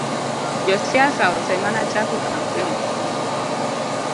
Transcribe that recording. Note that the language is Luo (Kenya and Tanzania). Josiasa osemana chako kampen